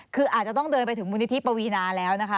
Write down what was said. คืออาจจะต้องเดินไปถึงมูลนิธิปวีนาแล้วนะคะ